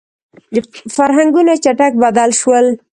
• فرهنګونه چټک بدل شول.